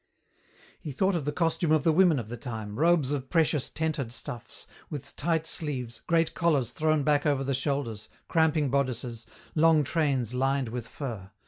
He thought of the costume of the women of the time, robes of precious tentered stuffs, with tight sleeves, great collars thrown back over the shoulders, cramping bodices, long trains lined with fur.